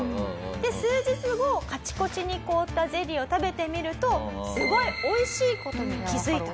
で数日後カチコチに凍ったゼリーを食べてみるとすごいおいしい事に気づいたと。